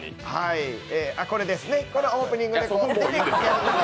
これですね、オープニングで。